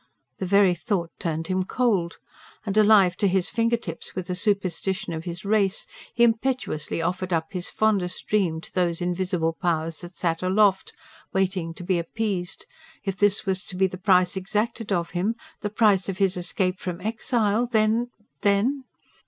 the very thought turned him cold. And alive to his finger tips with the superstition of his race, he impetuously offered up his fondest dream to those invisible powers that sat aloft, waiting to be appeased. If this was to be the price exacted of him the price of his escape from exile then... then